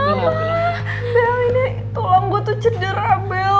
ini tulang gue tuh cedera bel